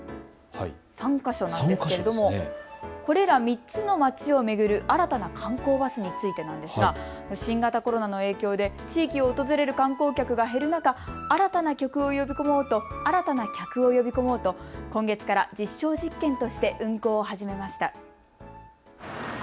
３か所なんですけどもこれら３つの街を巡る新たな観光バスについてなんですが新型コロナの影響で地域を訪れる観光客が減る中、新たな客を呼び込もうと今月から実証実験として運行を始めました。